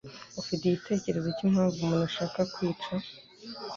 Ufite igitekerezo cyimpamvu umuntu ashaka kwica ?